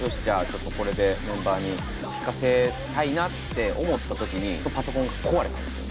ちょっとこれでメンバーに聴かせたいなって思った時にパソコンが壊れたんですよ。